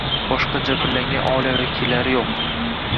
Boshqa jabrlangan oila vakillari yoʻq.